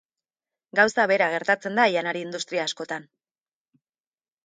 Gauza bera gertatzen da janari industria askotan.